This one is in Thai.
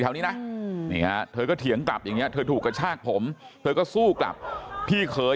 นี้นะนี่ฮะเธอก็เถียงกลับอย่างนี้เธอถูกกระชากผมเธอก็สู้กลับพี่เคย